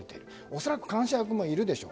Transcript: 恐らく監視役もいるでしょう。